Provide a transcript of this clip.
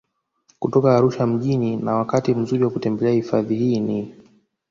Kutoka Arusha mjini na wakati mzuri wa kutembelea hifadhi hii ni